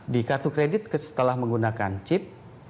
di kartu kredit setelah menggunakan chip